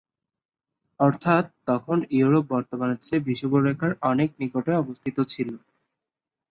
অর্থাৎ তখন ইউরোপ বর্তমানের চেয়ে বিষুবরেখার অনেক নিকটে অবস্থিত ছিল।